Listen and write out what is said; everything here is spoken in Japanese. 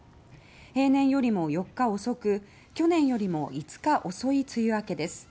平年よりも４日遅く去年よりも５日遅い梅雨明けです。